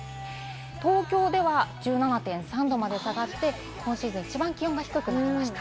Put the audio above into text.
東京では１７．３℃まで下がって、今シーズン１番気温が低くなりました。